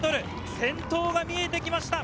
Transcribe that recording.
先頭が見えてきました。